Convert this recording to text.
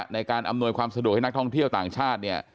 ในการอำนวยความสะดวกให้นักท่องเที่ยวต่างชาติเนี่ย